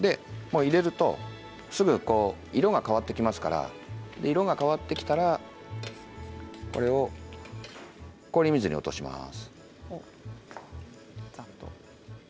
入れるとすぐ色が変わってきますから色が変わってきたら、これを氷水に落とします。